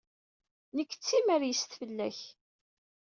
Nekk i d timreyyest fell-ak.